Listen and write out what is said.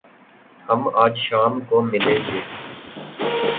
ہم آج شام کو ملیں گے